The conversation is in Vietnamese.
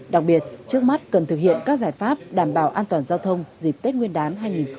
đặc biệt trước mắt cần thực hiện các giải pháp đảm bảo an toàn giao thông dịp tết nguyên đán hai nghìn hai mươi